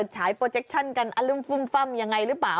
ฉายโปรเจคชั่นกันอลึ่มฟุ่มฟ่ำยังไงหรือเปล่า